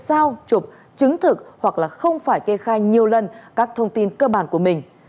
giao chụp chứng thực hoặc là không phải kê khai nhiều lần các thông tin cơ bản của mình